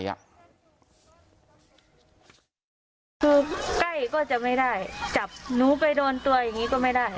คือใกล้ก็จะไม่ได้จับหนูไปโดนตัวอย่างนี้ก็ไม่ได้